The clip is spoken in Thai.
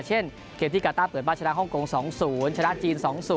เช่นเกมที่กาต้าเปิดบ้านชนะฮ่องกง๒๐ชนะจีน๒๐